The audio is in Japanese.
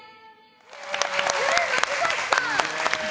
松崎さん！